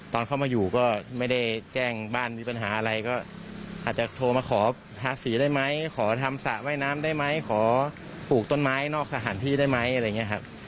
ตอนเข้ามาอยู่ก็ไม่ได้แจ้งบ้านมีปัญหาอะไรก็อาจจะโทรมาขอทาสีได้ไหมขอทำสระว่ายน้ำได้ไหมขอปลูกต้นไม้นอกสถานที่ได้ไหมอะไรอย่างนี้ครับ